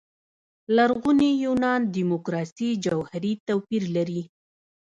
لرغوني یونان دیموکراسي جوهري توپير لري.